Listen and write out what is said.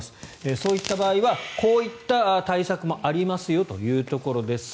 そういった場合はこういった対策もありますよというところです。